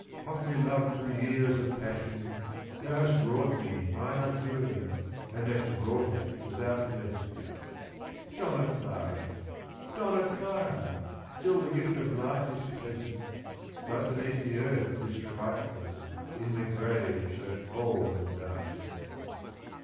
Hotly loved through years of passion! Thou hast wrought me mine undoing, And hast wrought it without mercy! "Donna Clara! Donna Clara! Still the gift of life is pleasant. But beneath the earth 'tis frightful, In the grave so cold and darksome.